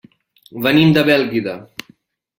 Venim de Bèlgida.